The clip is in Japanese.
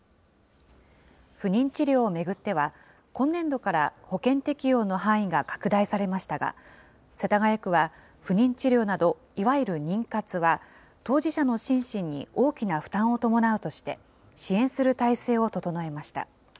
不妊治療を巡っては、今年度から保険適用の範囲が拡大されましたが、世田谷区は、不妊治療などいわゆる妊活は、当事者の心身に大きな負担を伴うとして、支援する態勢を整えました。